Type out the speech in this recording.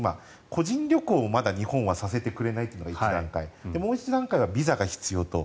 個人旅行をまだ日本はさせてくれないというのが１段階もう１段階はビザが必要と。